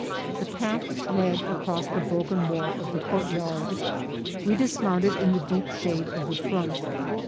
The path led across the broken wall of the courtyard. We dis mounted in the deep shade of the front.